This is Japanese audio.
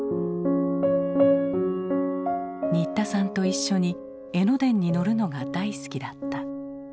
新田さんと一緒に江ノ電に乗るのが大好きだった。